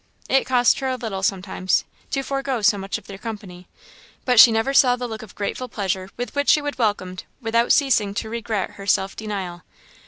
It cost her a little, sometimes, to forego so much of their company; but she never saw the look of grateful pleasure with which she was welcomed without ceasing to regret her self denial.